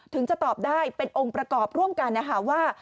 ถึงจะตอบได้เป็นองค์ประกอบร่วมกันนะคะว่า